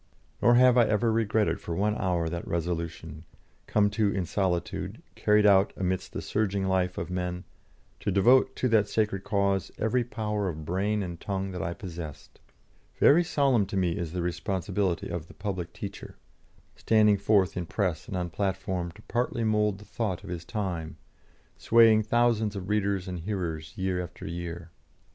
Nor have I ever regretted for one hour that resolution, come to in solitude, carried out amid the surging life of men, to devote to that sacred cause every power of brain and tongue that I possessed. Very solemn to me is the responsibility of the public teacher, standing forth in Press and on platform to partly mould the thought of his time, swaying thousands of readers and hearers year after year.